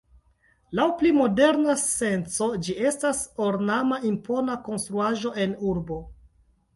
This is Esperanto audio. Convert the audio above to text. Laŭ pli moderna senco ĝi estas ornama impona konstruaĵo en urbo.